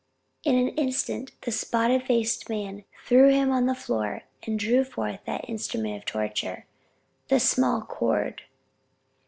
In an instant the spotted faced man threw him on the floor, and drew forth that instrument of torture, the small cord.